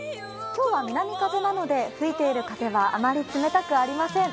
今日は南風なので、吹いている風はあまり冷たくありません。